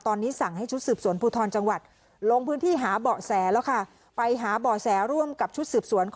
ตอนนี้สั่งให้ชุดสืบสวนภูทรจังหวัด